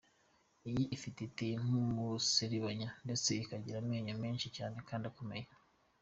Iyi fi iteye nk’umuserebanya ndetse ikagira amenyo menshi cyane kandi akomeye.